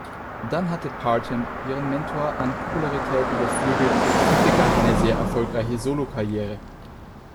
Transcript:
Dann hatte Parton ihren Mentor an Popularität überflügelt und begann eine sehr erfolgreiche Solokarriere.